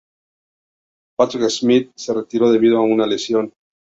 Patrick Smith se retiró debido a una lesión.